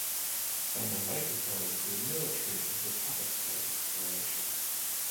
Some were later sold to the military of the puppet state of Croatia.